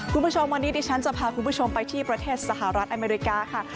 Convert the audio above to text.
คุณผู้ชมวันนี้ดิฉันจะพาคุณผู้ชมไปที่ประเทศสหรัฐอเมริกาค่ะ